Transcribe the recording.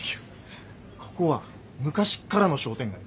ここは昔っからの商店街。